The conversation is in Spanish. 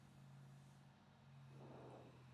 Es usado como centro cultural, cine y sala de teatro.